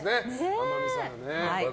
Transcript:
天海さんね。